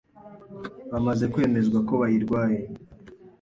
bamaze kwemezwa ko bayirwaye